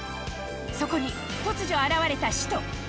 そこに突如現れた使徒。